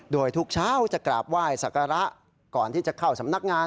โดยทุกเช้าจะกราบไหว้สักการะก่อนที่จะเข้าสำนักงาน